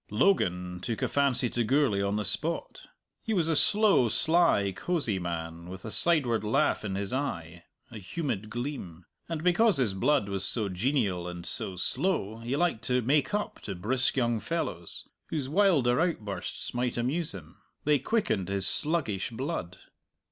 Logan took a fancy to Gourlay on the spot. He was a slow, sly, cosy man, with a sideward laugh in his eye, a humid gleam. And because his blood was so genial and so slow, he liked to make up to brisk young fellows, whose wilder outbursts might amuse him. They quickened his sluggish blood.